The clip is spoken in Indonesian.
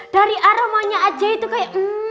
dari aromanya aja itu kayak